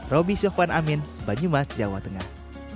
robby soevan amin banyumas jawa tengah